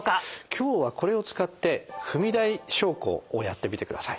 今日はこれを使って踏み台昇降をやってみてください。